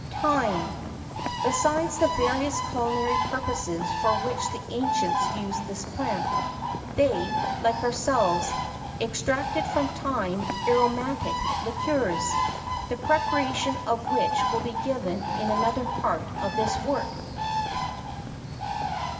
[X 28] THYME. Besides the various culinary purposes for which the ancients used this plant, they, like ourselves, extracted from thyme aromatic liqueurs,[X 29] the preparation of which will be given in another part of this work.